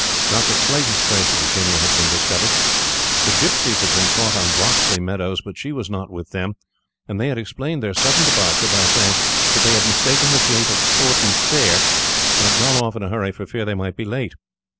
Not the slightest trace of Virginia had been discovered. The gipsies had been caught on Brockley meadows, but she was not with them, and they had explained their sudden departure by saying that they had mistaken the date of Chorton Fair, and had gone off in a hurry for fear they should be late.